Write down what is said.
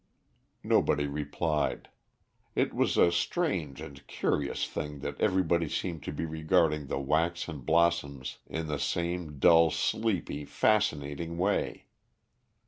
Nobody replied. It was a strange and curious thing that everybody seemed to be regarding the waxen blossoms in the same dull, sleepy, fascinating way.